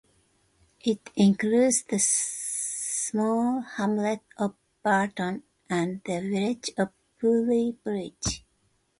It includes the small hamlet of Barton and the village of Pooley Bridge.